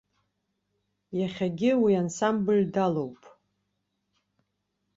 Иахьагьы уи ансамбль далоуп.